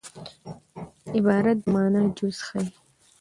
عبارت د مانا جز ښيي.